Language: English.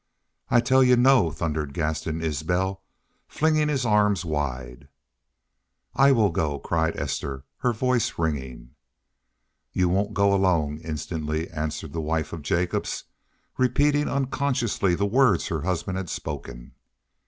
"I tell y'u no!" thundered Gaston Isbel, flinging his arms wide. "I WILL GO!" cried Esther, her voice ringing. "You won't go alone!" instantly answered the wife of Jacobs, repeating unconsciously the words her husband had spoken.